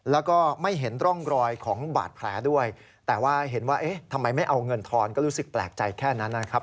แล้วก็ไม่เห็นร่องรอยของบาดแผลด้วยแต่ว่าเห็นว่าเอ๊ะทำไมไม่เอาเงินทอนก็รู้สึกแปลกใจแค่นั้นนะครับ